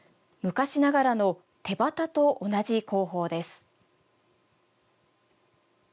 昔ながらの手機と同じ工法です。